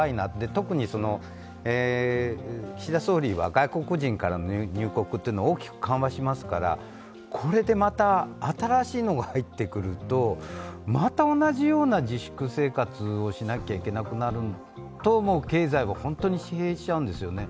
特に岸田総理は外国人からの入国を大きく緩和しますからこれでまた新しいのが入ってくるとまた同じような自粛生活をしなきゃいけなくなると、もう経済は本当に疲弊しちゃうんですよね。